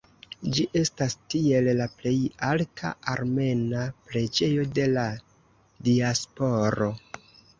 Ĝi estas tiel la plej alta armena preĝejo de la diasporo.